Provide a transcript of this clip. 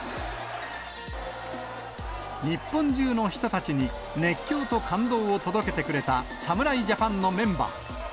日本中の人たちに熱狂と感動を届けてくれた、侍ジャパンのメンバー。